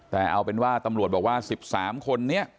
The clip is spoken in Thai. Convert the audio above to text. แต่เอาเป็นว่าตำรวจบอกว่า๑๓คนนี้